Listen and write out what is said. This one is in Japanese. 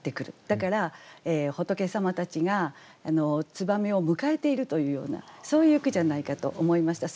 だから仏様たちが燕を迎えているというようなそういう句じゃないかと思いました。